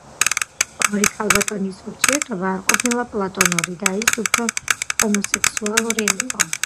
ორი ქალბატონის ურთიერთობა არ ყოფილა პლატონური და ის უფრო ჰომოსექსუალური იყო.